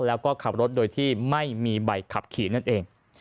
แล้วก็ขับรถโดยที่ไม่มีใบขับขี่นั่นเอง